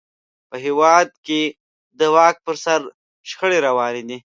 په هېواد کې د واک پر سر شخړې روانې وې.